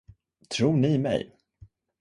Tro ni mig!